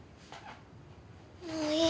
もういい。